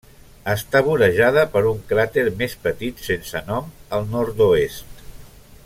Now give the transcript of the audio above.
Està vorejada per un cràter més petit, sense nom, al nord-oest.